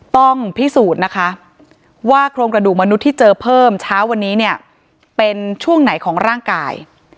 ต้องพิสูจน์นะคะว่าโครงกระดูกมนุษย์ที่เจอเพิ่มเช้าวันนี้เนี่ยเป็นช่วงไหนของร่างกาย